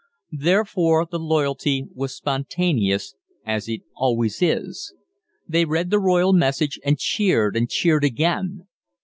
Therefore the loyalty was spontaneous, as it always is. They read the royal message, and cheered and cheered again.